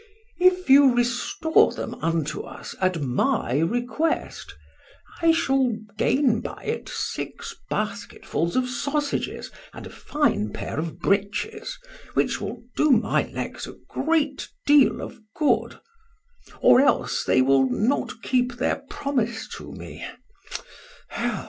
If you restore them unto us at my request, I shall gain by it six basketfuls of sausages and a fine pair of breeches, which will do my legs a great deal of good, or else they will not keep their promise to me.